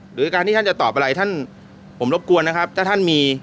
หรือการที่ท่านจะตอบอะไรท่านผมรบกวนนะครับถ้าท่านมี